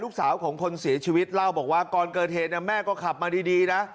ลูกสาวของคนเสียชีวิตเล่าบอกว่าก่อนเกิดเหตุแม่ก็ขับมาดีนะ